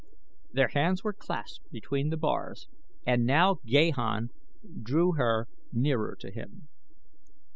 Their hands were clasped between the bars and now Gahan drew her nearer to him.